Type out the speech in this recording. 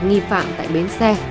nghi phạm tại bến xe